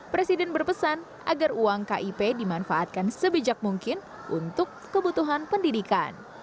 presiden berpesan agar uang kip dimanfaatkan sebijak mungkin untuk kebutuhan pendidikan